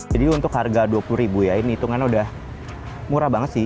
jadi untuk harga rp dua puluh ya ini itungan udah murah banget sih